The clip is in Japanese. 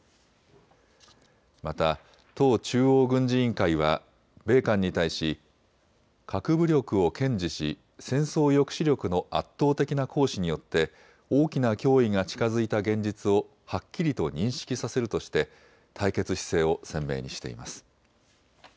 また党中央軍事委員会は米韓に対し核武力を堅持し、戦争抑止力の圧倒的な行使によって大きな脅威が近づいた現実をはっきりと認識させるとして対決姿勢を鮮明にしています。